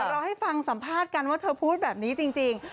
เราให้ฟังสัมภาษณ์กันว่าเธอพูดแบบนี้จริง